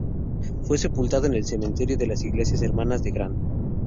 Fue sepultado en el cementerio de las iglesias hermanas de Gran.